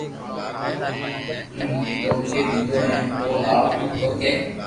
نوکي ديدو ھين او آ ھتو ڪي